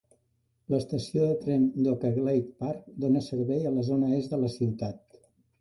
L'estació de tren d'Oakleigh Park dona servei a la zona est de la ciutat.